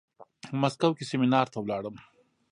مسکو کې سيمينار ته لاړم.